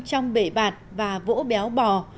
trong bể bạt và vỗ béo bò